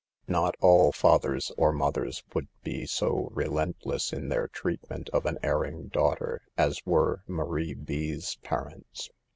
Not all fathers or mothers would be so re lentless in their treatment of an erring daugh ter as were Marie B.'s parents.